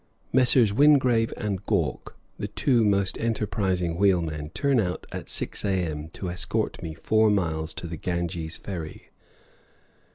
Messrs. Wingrave and Gawke, the two most enterprising wheelmen, turn out at 6 a.m. to escort me four miles to the Ganges ferry.